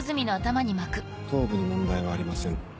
頭部に問題はありません。